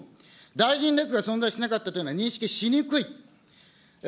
大臣レクが存在しなかったというのは認識しにくい。